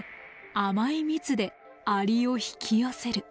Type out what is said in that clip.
甘い蜜でアリを引き寄せる。